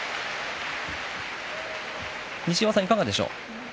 西岩さん、いかがでしょう？